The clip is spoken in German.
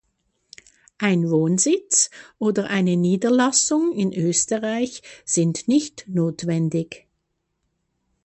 Ein Wohnsitz oder eine Niederlassung in Österreich sind nicht notwendig.